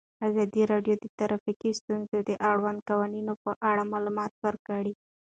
ازادي راډیو د ټرافیکي ستونزې د اړونده قوانینو په اړه معلومات ورکړي.